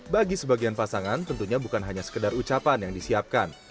bagi sebagian pasangan tentunya bukan hanya sekedar ucapan yang disiapkan